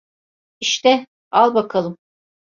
İşte, al bakalım.